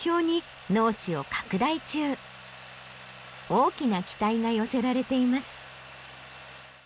大きな期待が寄せられています。